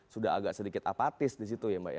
sudah agak sedikit apatis disitu ya mbak ya